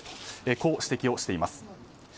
こう指摘をしています。